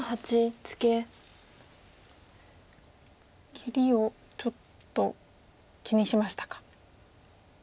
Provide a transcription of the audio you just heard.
切りをちょっと気にしましたか。